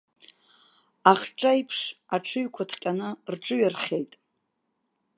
Ахҿа аиԥш аҽыҩқәа ҭҟьаны рҿыҩархеит!